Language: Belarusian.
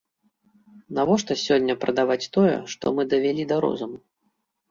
Навошта сёння прадаваць тое, што мы давялі да розуму?